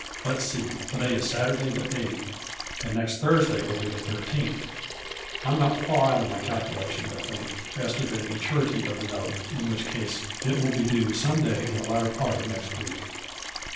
Let 's see to day is Saturday, the eighth, and next Thursday will be the thirteenth. I am not far out in my calculation, I think, as to the ma turity of the note, in which case it will be due some day in the latter part of next week."